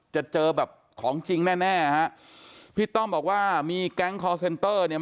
จะเจอแบบของจริงแน่แน่ฮะพี่ต้อมบอกว่ามีแก๊งคอร์เซ็นเตอร์เนี่ย